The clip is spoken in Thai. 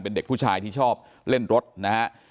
เป็นเด็กผู้ชายที่ชอบเล่นรถนะฮะ